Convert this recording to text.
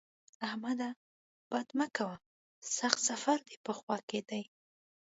احمده! بد مه کوه؛ سخت سفر دې په خوا دی.